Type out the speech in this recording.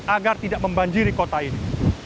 agar tidak membanjiri kota ini